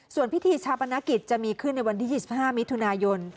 ส่วนพิธีชาปนกิจจะมีขึ้นในวันที่๒๕มิถุนายน